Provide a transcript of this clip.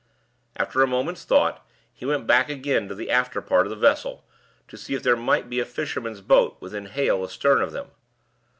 After a moment's thought he went back again to the after part of the vessel, to see if there might be a fisherman's boat within hail astern of them.